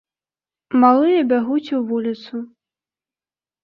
Малыя бягуць у вуліцу.